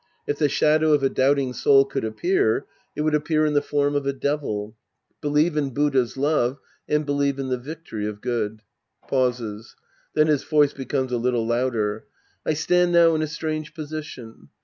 If the shadow of a doubting soul could appear, it would appear in the form of a devil. Believe in Buddha's love and believe in the victory of good. {Pauses. Then his voice becomes a little louder.) I stand now in a strange position.